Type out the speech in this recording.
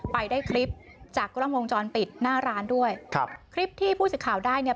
ไปได้คลิปจากกล้องวงจรปิดหน้าร้านด้วยครับคลิปที่ผู้สื่อข่าวได้เนี่ย